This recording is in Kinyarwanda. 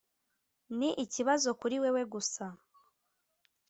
ni ikibazo kuri wewe gusa.